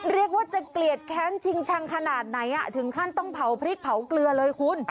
เรียกว่าจะเกลียดแค้นชิงชังขนาดไหนถึงขั้นต้องเผาพริกเผาเกลือเลยคุณ